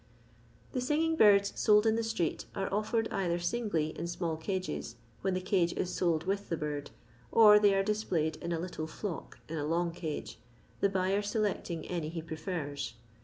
The singing birds sold in the street are oflfored either singly in small cages, when the cage is s^ with the bird, or they are displayed in a little flock in a long cage, the buyer selecting any he prefers.